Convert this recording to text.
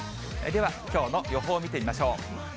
では、きょうの予報見てみましょう。